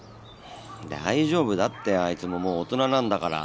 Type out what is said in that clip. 大丈夫だってあいつももう大人なんだから。